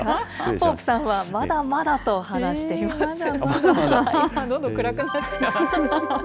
ポープさんはまだまだと話していえー、まだまだ。